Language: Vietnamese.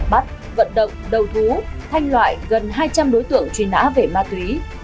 bắt vận động đầu thú thanh loại gần hai trăm linh đối tượng truy nã về ma túy